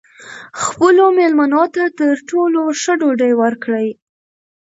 خپلو مېلمنو ته تر ټولو ښه ډوډۍ ورکړئ.